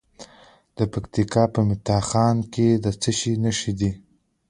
د پکتیکا په متا خان کې د څه شي نښې دي؟